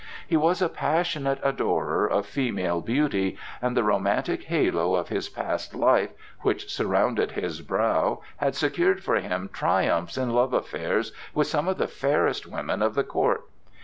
He was a passionate adorer of female beauty, and the romantic halo of his past life which surrounded his brow had secured for him triumphs in love affairs with some of the fairest women of the court.